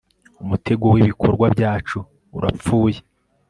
umutego wibikorwa byacu urapfuye